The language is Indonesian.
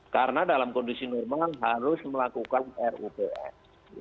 karena dalam kondisi normal harus melakukan rups